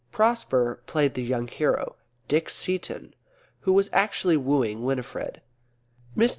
Prosper played the young hero, Dick Seaton, who was actually wooing Winifred. Mr.